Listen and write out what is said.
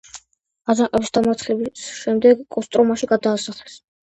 აჯანყების დამარცხების შემდეგ კოსტრომაში გადაასახლეს.